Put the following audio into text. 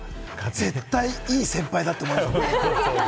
絶対いい先輩だと思います。